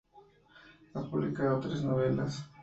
Ha publicado tres novelas.